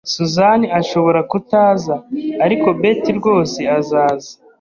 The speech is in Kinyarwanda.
Susan ashobora kutaza, ariko Betty rwose azaza